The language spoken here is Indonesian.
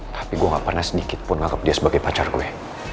tapi gue gak pernah sedikitpun nganggep dia sebagai pacar gue